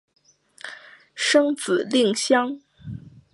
生子令香。